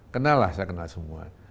kenal lah saya kenal semua